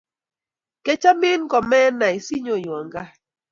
Kiachmin komanai sinyonwan kaaat